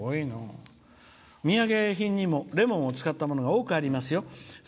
「土産品にもレモンを使ったものが多くありますよ。